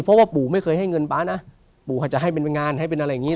เพราะว่าปู่ไม่เคยให้เงินป๊านะปู่เขาจะให้เป็นงานให้เป็นอะไรอย่างนี้